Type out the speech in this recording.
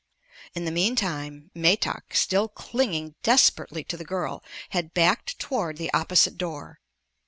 In the meantime Metak, still clinging desperately to the girl, had backed toward the opposite door.